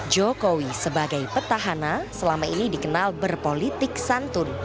jokowi sebagai petahana selama ini dikenal berpolitik santun